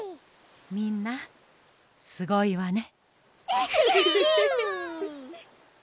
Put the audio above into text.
みんなすごいわね。